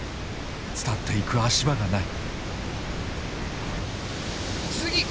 伝っていく足場がない。